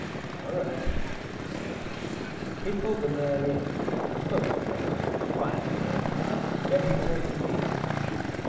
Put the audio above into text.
"All right," he said. He pulled the mare in, spoke to her and quieted her. Then he turned to me.